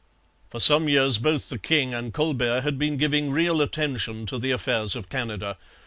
For some years both the king and Colbert had been giving real attention to the affairs of Canada.